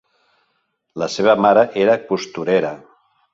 La seva mare era costurera.